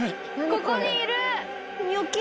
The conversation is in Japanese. ここにいる！